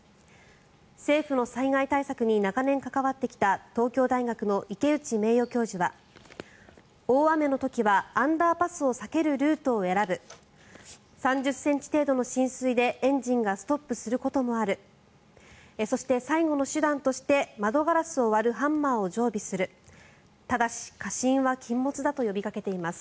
政府の災害対策に長年関わってきた東京大学の池内名誉教授は大雨の時はアンダーパスを避けるルートを選ぶ３０ｃｍ程度の浸水でエンジンがストップすることもあるそして、最後の手段として窓ガラスを割るハンマーを常備するただし過信は禁物だと呼びかけています。